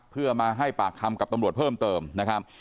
เพื่อมาให้ปากคำกับตำรวจเพิ่มเติมนะครับ